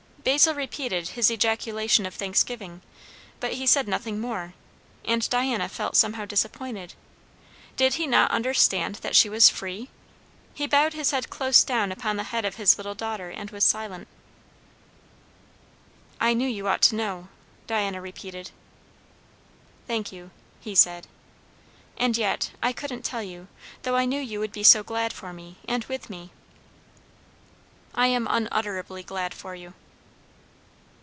Basil repeated his ejaculation of thanksgiving, but he said nothing more, and Diana felt somehow disappointed. Did he not understand that she was free? He bowed his head close down upon the head of his little daughter, and was silent. "I knew you ought to know" Diana repeated. "Thank you," he said. "And yet I couldn't tell you though I knew you would be so glad for me and with me." "I am unutterably glad for you."